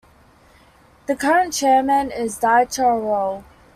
The current chairman is Dieter Rolle.